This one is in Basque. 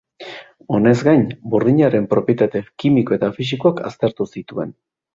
Honez gain, burdinaren propietate kimiko eta fisikoak aztertu zituen.